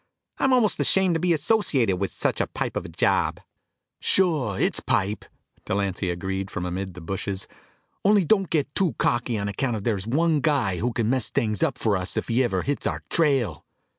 I'm almost ashamed to be associated wit' such a pipe of a job." "Sure it's a pipe," Delancy agreed from amid the bushes. "Only don't get too cocky on account of there's one guy who could mess things up for us if he ever hits our trail."